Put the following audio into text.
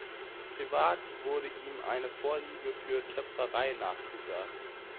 Privat wurde ihm eine Vorliebe für Töpferei nachgesagt.